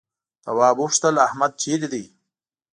تواب وپوښتل احمد چيرې دی؟